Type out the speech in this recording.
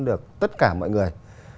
được tất cả mọi người